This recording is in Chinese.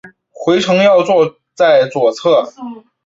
回程要坐在左侧